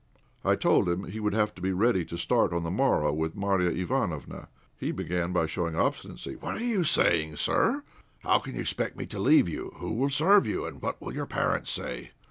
I told him he would have to be ready to start on the morrow with Marya Ivánofna. He began by showing obstinacy. "What are you saying, sir? How can you expect me to leave you? Who will serve you, and what will your parents say?"